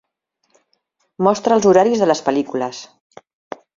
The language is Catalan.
Mostra els horaris de les pel·lícules